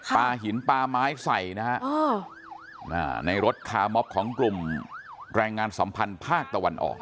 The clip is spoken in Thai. ปลาหินปลาไม้ใส่นะฮะในรถคามอฟของกลุ่มแรงงานสัมพันธ์ภาคตะวันออก